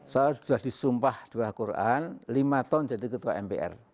saya sudah disumpah dua quran lima tahun jadi ketua mpr